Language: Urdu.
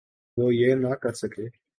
وہ یہ نہ کر سکے۔